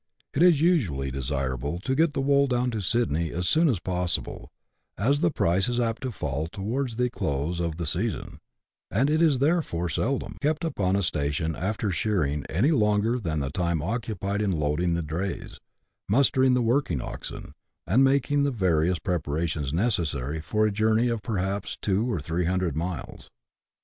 It is usually desirable to get the wool down to Sydney as soon as possible, as the price is apt to fall towards the close of the season ; and it is therefore seldom ^'kept upon a station after shearing any longer than the time occupied in loading the drays, mustering the working oxen, and making the various pre parations necessary for a journey of perhaps two or three hundred miles.